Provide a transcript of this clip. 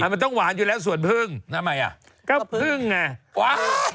อ่ะมันต้องหวานอยู่แล้วสวนพึ่งอ่ะพึ่งน่ะ